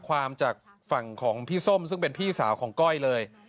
ความจากฝั่งของพี่ส้มซึ่งเป็นพี่สาวของก้อยเลย